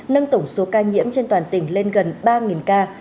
nâng tổng số ca nhiễm trên toàn tỉnh lên gần ba ca